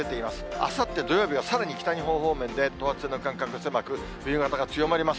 あさって土曜日はさらに北日本方面で等圧線の間隔が狭く、冬型が強まります。